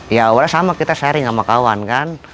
ya awalnya sama kita sharing sama kawan kan